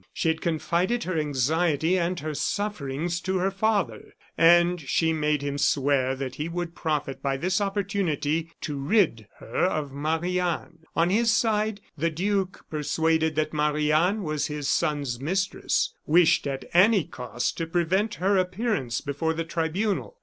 She had confided her anxiety and her sufferings to her father; and she made him swear that he would profit by this opportunity to rid her of Marie Anne. On his side, the duke, persuaded that Marie Anne was his son's mistress, wished, at any cost, to prevent her appearance before the tribunal.